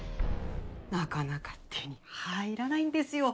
なかなか手に入らないんですよ。